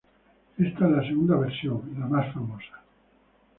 Esta es la segunda versión, la más famosa.